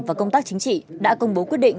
và công tác chính trị đã công bố quyết định